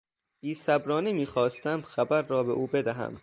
بیصبرانه میخواستم خبر را به او بدهم.